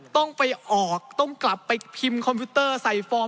ต้องไปออกต้องกลับไปพิมพ์คอมพิวเตอร์ใส่ฟอร์ม